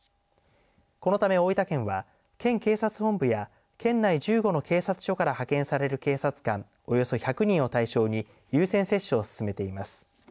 このため大分県は県警察本部や県内１５の警察署から派遣される警察官およそ１００人を対象に優先接種を進めています。